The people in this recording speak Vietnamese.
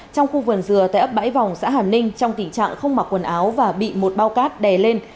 trong khu vườn dừa tại ấp bãi vòng xã hàm ninh trong tình trạng không mặc quần áo và bị một bao cát đè lên